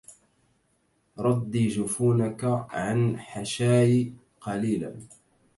ردي جفونك عن حشاي قليلا